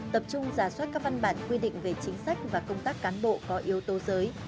tập trung giả soát các văn bản quy định về chính sách và công tác cán bộ có yếu tố giới